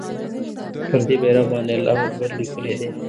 پر دې بېرغ باندې الله اکبر لیکلی دی.